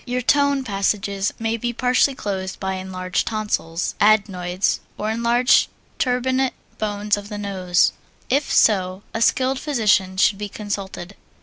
Your tone passages may be partly closed by enlarged tonsils, adenoids, or enlarged turbinate bones of the nose. If so, a skilled physician should be consulted.